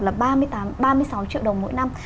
là ba mươi sáu triệu đồng mỗi năm